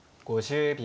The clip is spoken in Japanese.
５０秒。